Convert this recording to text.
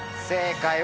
正解！